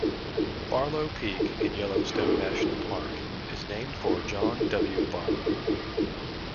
Barlow Peak in Yellowstone National Park is named for John W. Barlow.